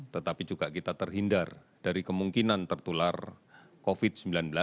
tetapi juga kita terhindar dari kemungkinan tertular covid sembilan belas